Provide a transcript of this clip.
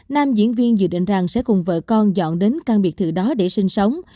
nam diễn viên dự định rằng sẽ cùng vợ con dọn đến căn biệt thự đó để sinh sống